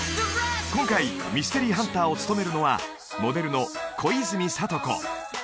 今回ミステリーハンターを務めるのはモデルの小泉里子